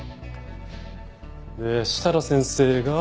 で設楽先生が。